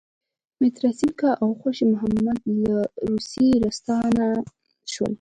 متراسینکه او خوشی محمد له روسیې راستانه شول.